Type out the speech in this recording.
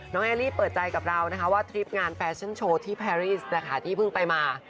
เอลลี่เปิดใจกับเรานะคะว่าทริปงานแฟชั่นโชว์ที่แพรรี่นะคะที่เพิ่งไปมา